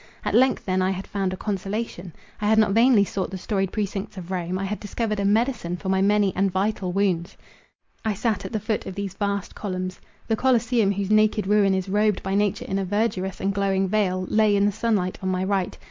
At length, then, I had found a consolation. I had not vainly sought the storied precincts of Rome—I had discovered a medicine for my many and vital wounds. I sat at the foot of these vast columns. The Coliseum, whose naked ruin is robed by nature in a verdurous and glowing veil, lay in the sunlight on my right.